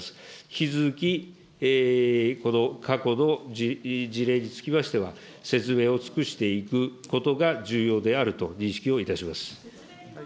引き続きこの過去の事例につきましては、説明を尽くしていくことが重要であると認識をいたします。